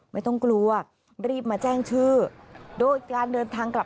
ไม่ต้องกลัวรีบมาแจ้งชื่อ